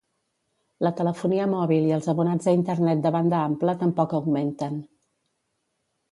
La telefonia mòbil i els abonats a Internet de banda ampla tampoc augmenten.